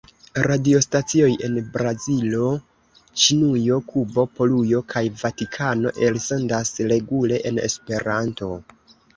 Radiostacioj en Brazilo, Ĉinujo, Kubo, Polujo kaj Vatikano elsendas regule en Esperanto.